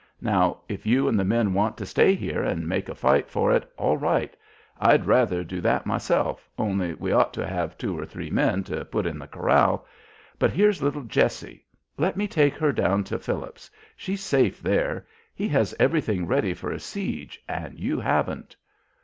Now, if you and the men want to stay here and make a fight for it, all right, I'd rather do that myself, only we ought to have two or three men to put in the corral, but here's little Jessie. Let me take her down to Phillips's; she's safe there. He has everything ready for a siege and you haven't."